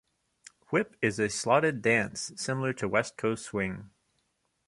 Whip is a slotted dance similar to West Coast Swing.